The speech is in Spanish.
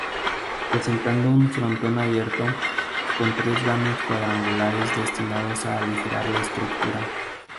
Presentaba un frontón abierto con tres vanos cuadrangulares destinados a aligerar la estructura.